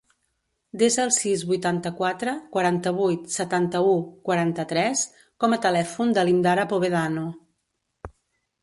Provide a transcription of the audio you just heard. Desa el sis, vuitanta-quatre, quaranta-vuit, setanta-u, quaranta-tres com a telèfon de l'Indara Povedano.